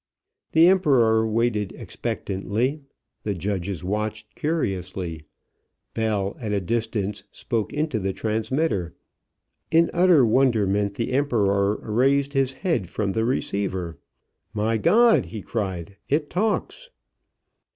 The Emperor waited expectantly, the judges watched curiously. Bell, at a distance, spoke into the transmitter. In utter wonderment the Emperor raised his head from the receiver. "My God," he cried, "it talks!"